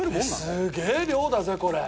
すげえ量だぜこれ！